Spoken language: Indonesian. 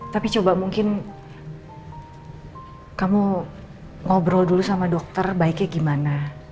tapi coba mungkin kamu ngobrol dulu sama dokter baiknya gimana